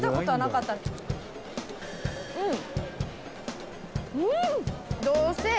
うん！